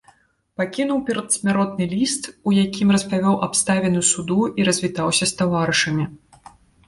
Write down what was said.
Пакінуў перадсмяротны ліст, у якім распавёў абставіны суду і развітаўся з таварышамі.